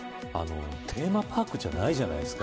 テーマパークじゃないじゃないですか。